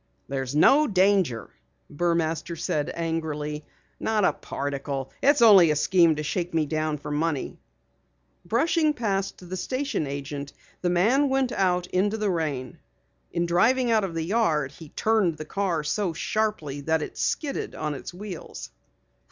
"There's no danger," Burmaster said angrily. "Not a particle. It's only a scheme to shake me down for money." Brushing past the station agent, the man went out into the rain. In driving out of the yard he turned the car so sharply that it skidded on its wheels.